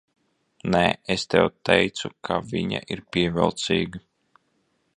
Nē, es tev teicu, ka viņa ir pievilcīga.